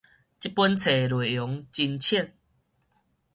這本冊的內容真淺